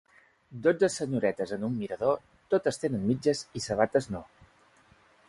Dotze senyoretes en un mirador, totes tenen mitges i sabates no.